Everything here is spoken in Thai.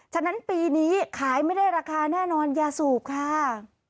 ฉะนั้นปีนี้ขายไม่ได้ราคาแน่นอนยาสูบค่ะ